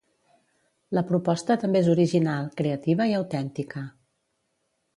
La proposta també és original, creativa i autèntica.